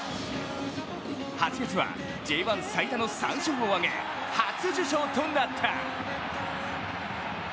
８月はＪ１最多の３勝を挙げ初受賞となった。